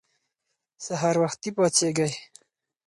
سهار وختي پاڅیږئ.